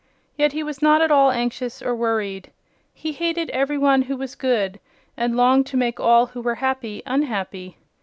Yet he was not at all anxious or worried. He hated every one who was good and longed to make all who were happy unhappy.